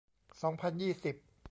สองพันยี่สิบ